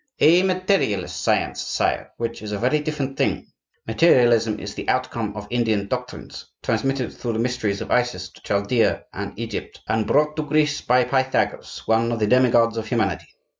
"A materialist science, sire, which is a very different thing. Materialism is the outcome of Indian doctrines, transmitted through the mysteries of Isis to Chaldea and Egypt, and brought to Greece by Pythagoras, one of the demigods of humanity.